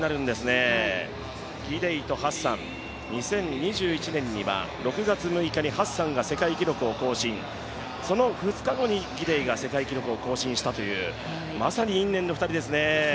ギデイとハッサン、２０２１年には６月６日にハッサンが世界記録を更新、その２日後にギデイが世界記録を更新したという、まさに因縁の２人ですね。